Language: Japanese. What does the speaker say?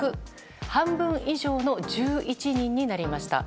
半分以上の１１人になりました。